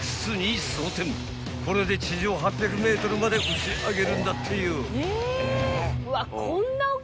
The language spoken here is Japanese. ［これで地上８００ｍまで打ち上げるんだってよ］